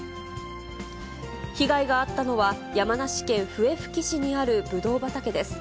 被害があったのは、山梨県笛吹市にあるぶどう畑です。